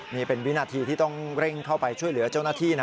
นี่เป็นวินาทีที่ต้องเร่งเข้าไปช่วยเหลือเจ้าหน้าที่นะ